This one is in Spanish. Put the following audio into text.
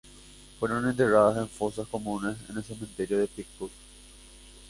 Fueron enterradas en fosas comunes en el cementerio de Picpus.